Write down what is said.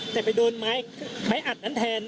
แต่ไปโดนไม้อัดนั้นแทน